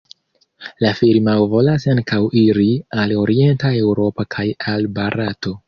La firmao volas ankaŭ iri al orienta Eŭropo kaj al Barato.